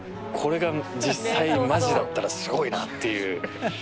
これが実際マジだったらすごいなっていう。